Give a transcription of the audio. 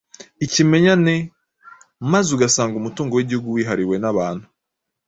ikimenyane, maze ugasanga umutungo w’igihugu wihariwe n’abantu